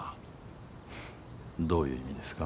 フッどういう意味ですか？